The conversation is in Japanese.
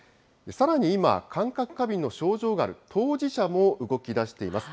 さらに今、感覚過敏の症状がある当事者も動きだしています。